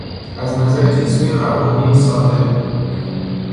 از نظر جسمی و روانی سالم